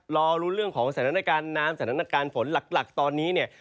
รอลุ้นเรื่องของสถานการณ์น้ำสถานการณ์ฝนหลักตอนนี้เนี่ย